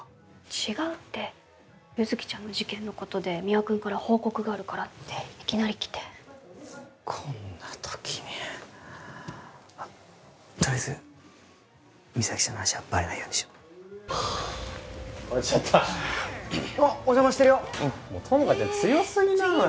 違うって優月ちゃんの事件のことで三輪君から報告があるからっていきなり来てこんな時にとりあえず実咲ちゃんの話はバレないようにしようおじゃましてるよ友果ちゃん強すぎなのよ